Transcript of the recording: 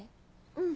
うん。